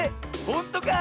ほんとか？